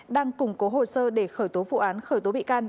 đang củng cố hồ sơ để khởi tố vụ án khởi tố bị can